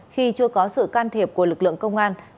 khi chưa có sự can thiệp của lực lượng công an